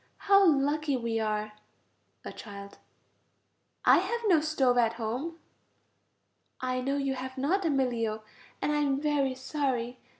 How lucky we are! A child. I have no stove at home. I know you have not, Emilio, and I am very sorry.